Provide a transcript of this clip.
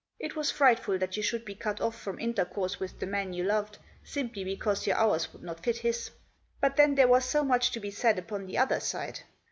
It was frightful that you should be cut off from inter course with the man you loved simply because your hours would not fit his. But then there was so much to be said upon the other side.